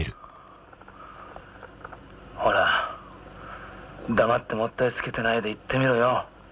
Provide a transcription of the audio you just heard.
ほら黙ってもったいつけてないで言ってみろよ。